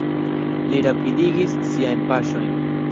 Li rapidigis siajn paŝojn.